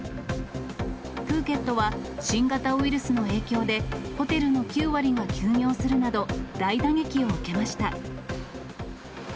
プーケットは新型コロナウイルスの影響でホテルの９割が休業するなど、大打撃を受けました。